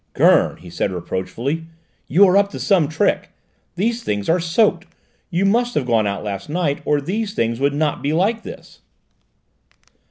"Gurn," he said reproachfully, "you are up to some trick! These things are soaked. You must have gone out last night, or these things would not be like this."